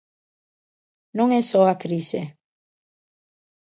Non é só a crise.